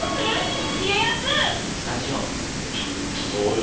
ちょっとどうよ？